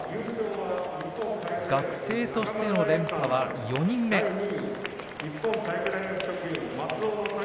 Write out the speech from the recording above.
学生としての連覇は４人目です。